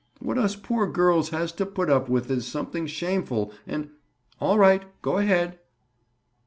What us poor girls has to put up with is something shameful, and—All right. Go ahead."